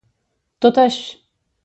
Tot aix